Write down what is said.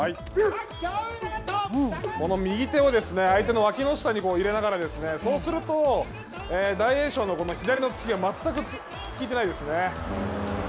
この右手を相手のわきの下に入れながらそうすると、大栄翔のこの左の突きが全くきいてないですね。